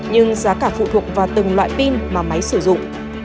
nhưng giá cả phụ thuộc vào từng loại pin mà máy sử dụng